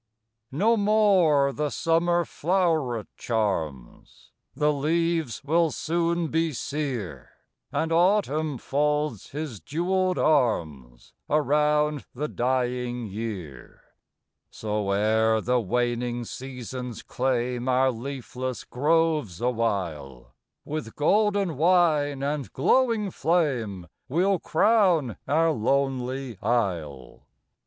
No more the summer floweret charms, The leaves will soon be sere, And Autumn folds his jewelled arms Around the dying year; So, ere the waning seasons claim Our leafless groves awhile, With golden wine and glowing flame We 'll crown our lonely isle.